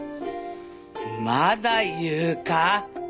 まだ言うか？